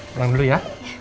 pulang dulu ya